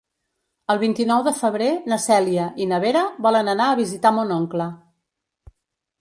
El vint-i-nou de febrer na Cèlia i na Vera volen anar a visitar mon oncle.